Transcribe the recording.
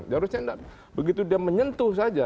seharusnya enggak begitu dia menyentuh saja